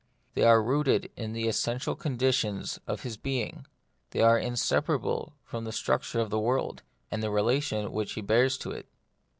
They are rooted in the essential conditions of his being ; they are inseparable from the struc ture of the world, and the relations which he bears to it.